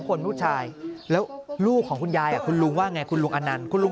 คนผู้ชายแล้วลูกของคุณยายคุณลุงว่าไงคุณลุงอนันต์คุณลุง